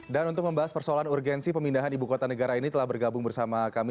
dan untuk membahas persoalan urgensi pemindahan ibu kota negara ini telah bergabung bersama kami